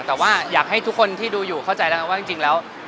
แต่ว่าอยากให้ทุกคนที่ดูอยู่เข้าใจแล้วว่าจริงแล้ว